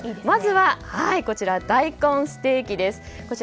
まずは、大根ステーキです。